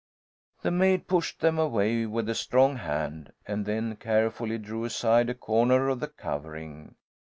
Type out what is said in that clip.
The maid pushed them away with a strong hand, and then carefully drew aside a corner of the covering.